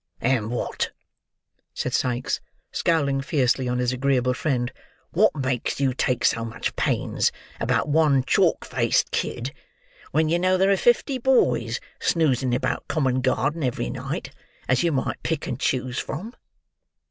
"And wot," said Sikes, scowling fiercely on his agreeable friend, "wot makes you take so much pains about one chalk faced kid, when you know there are fifty boys snoozing about Common Garden every night, as you might pick and choose from?"